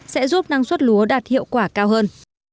sẽ giúp năng suất lúa đạt hiệu quả cao hơn